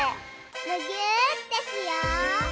むぎゅーってしよう！